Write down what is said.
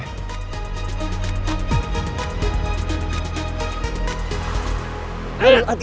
kita jalan lagi ya